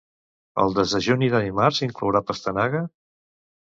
El desdejuni de dimarts inclourà pastanaga?